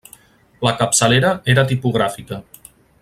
La capçalera era tipogràfica.